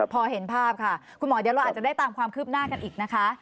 พอเห็นภาพค่ะคุณหมอเดี๋ยวเราอาจจะได้ตามความคืบหน้ากันอีกนะคะ